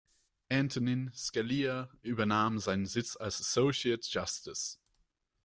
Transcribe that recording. Antonin Scalia übernahm seinen Sitz als "Associate Justice".